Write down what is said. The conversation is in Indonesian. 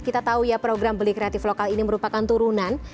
kita tahu ya program beli kreatif lokal ini merupakan turunan